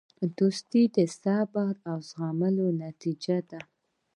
دوستي د صبر او زغم نتیجه ده.